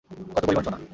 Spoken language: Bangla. কত পরিমাণ সোনা?